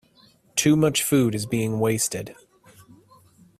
Too much food is being wasted.